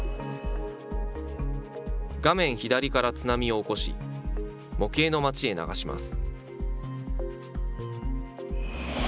画面左から津波を起こし、模型の町へ流します。